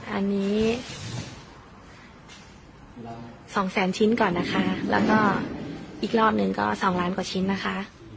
อันนี้๒แสนชิ้นก่อนนะคะแล้วก็อีกรอบหนึ่งก็๒ล้านกว่าชิ้นนะคะ